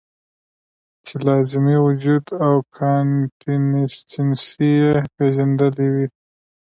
چې لازمي وجود او کانټينجنسي ئې پېژندلي وے -